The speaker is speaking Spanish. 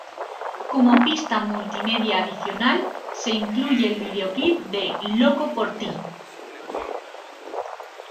Como pista multimedia adicional se incluye el videoclip de "Loco por ti"